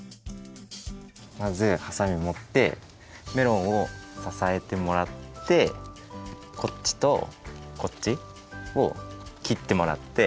まずハサミもってメロンをささえてもらってこっちとこっちをきってもらって。